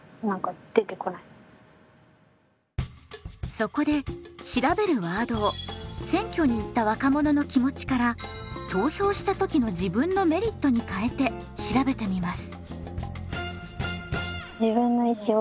そこで調べるワードを選挙に行った若者の気持ちから投票した時の自分のメリットに変えて調べてみます。